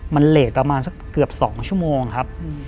มันเหลดประมาณสักเกือบ๒ชั่วโมงครับ